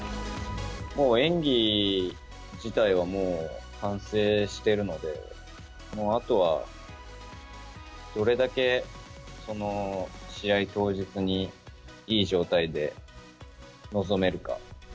もう演技自体はもう完成しているので、もうあとは、どれだけ試合当日にいい状態で臨めるか。